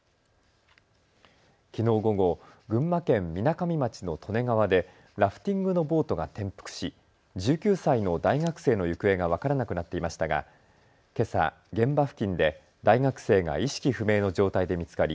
きのう午後、群馬県みなかみ町の利根川でラフティングのボートが転覆し１９歳の大学生の行方が分からなくなっていましたがけさ現場付近で大学生が意識不明の状態で見つかり